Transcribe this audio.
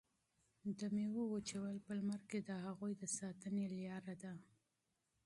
د میوو وچول په لمر کې د هغوی د ساتنې لاره ده.